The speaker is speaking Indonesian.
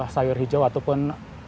sayur hijau ataupun